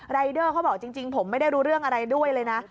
รายเดอร์เขาบอกจริงผมไม่ได้รู้เรื่องอะไรด้วยเลยนะ